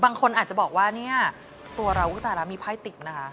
บางคนอาจจะบอกว่าเนี่ยตัวเราก็ตายแล้วมีไพ่ติดนะคะ